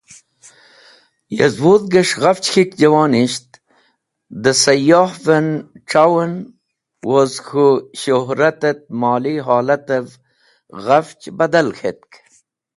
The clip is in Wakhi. Yezwudhges̃h Ghafch K̃hik Jawonisht de Sayohven C̃hawen woz k̃hu Shuhratet Moli Holatev Ghafch badal K̃hetk.